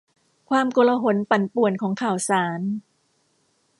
ความโกลาหลปั่นป่วนของข่าวสาร